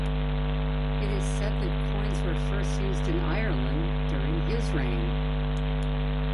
It is said that coins were first used in Ireland during his reign.